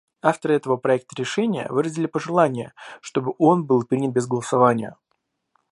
Авторы этого проекта решения выразили пожелание, чтобы он был принят без голосования.